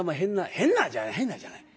変なじゃない変なじゃない。